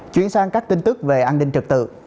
chuyển sang các tin tức về an ninh trật tự